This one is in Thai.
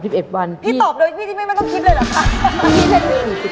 พี่ถอบด้วยพี่ไม่ต้องคิดเลยเลยครับ